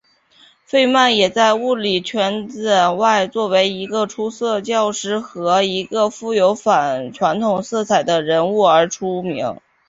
费曼也在物理圈子外作为一个出色的教师和一个富于反传统色彩的人物而出名。